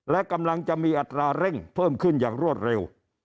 และกำลังจะมีอัตราเร่งเพิ่มขึ้นอย่างรวดเร็ว